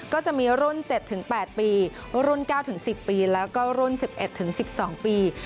ก็จะมีรุ่น๗๘ปีรุ่น๙๑๐ปีแล้วก็รุ่น๑๑๑๑๒ปี